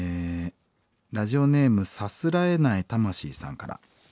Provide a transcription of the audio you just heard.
ラジオネームさすらえない魂さんから。